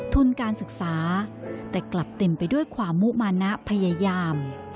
แต่กลับเต็มไปด้วยความมุมนะพยายาม